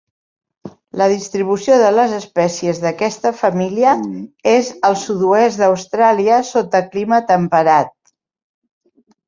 La distribució de les espècies d'aquesta família és al sud-oest d'Austràlia sota clima temperat.